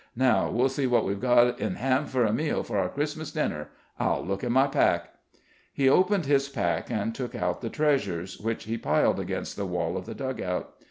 Now we'll see what we've in hand for a meal for our Christmas dinner. I'll look in my pack." He opened his pack and took out the treasures, which he piled against the wall of the dug out.